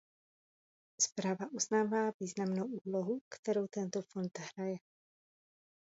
Zpráva uznává významnou úlohu, kterou tento fond hraje.